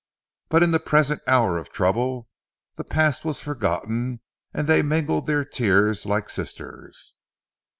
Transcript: But in the present hour of trouble, the past was forgotten and they mingled their tears like sisters.